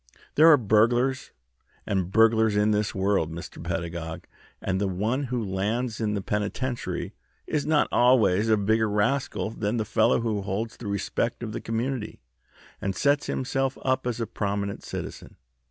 There are burglars and burglars in this world, Mr. Pedagog, and the one who lands in the penitentiary is not always a bigger rascal than the fellow who holds the respect of the community and sets himself up as a prominent citizen.